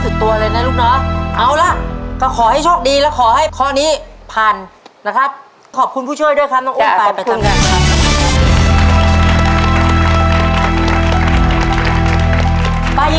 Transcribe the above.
อ้าวนี่หนูเดี๋ยวฟุ้มเร็ว